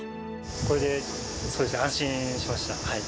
これで安心しました。